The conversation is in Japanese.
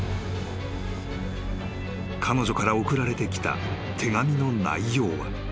［彼女から送られてきた手紙の内容は］